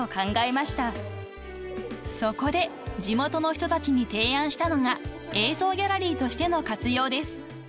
［そこで地元の人たちに提案したのが映像ギャラリーとしての活用です］